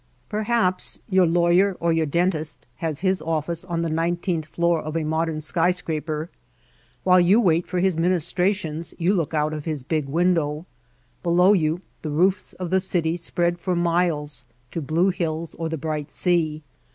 Perhaps your lawyer or your dentist has his White Heart of Mojave office on the nineteenth floor of a modern sky scraper. While you wait for his ministrations you look out of his big window. Below you the roofs of the city spread for miles to blue hills or the bright sea.